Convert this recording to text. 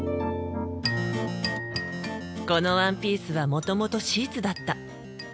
このワンピースはもともとシーツだった。